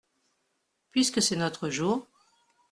Puisque c’est notre jour !